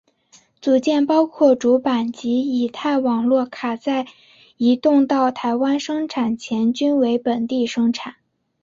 组件包括主板及乙太网络卡在移到台湾生产前均为本地生产。